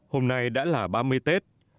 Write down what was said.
hôm nay đã là ba mươi tết